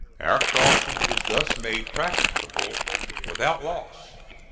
Our crossing was thus made practicable without loss.